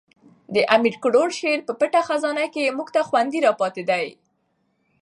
د امیر کروړ شعر په پټه خزانه کښي موږ ته خوندي را پاتي دي.